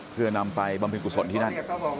เพื่อนำไปบำเพ็ญกุศลที่นั่น